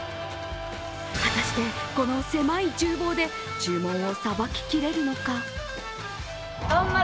果たしてこの狭いちゅう房で注文をさばききれるのか。